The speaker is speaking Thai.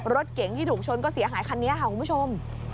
รถเก๋งที่ถูกชนก็เสียหายคันนี้ค่ะคุณผู้ชม